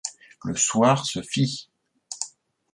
Le soir se fit.